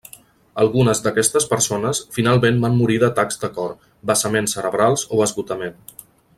Algunes d'aquestes persones finalment van morir d'atacs de cor, vessaments cerebrals o esgotament.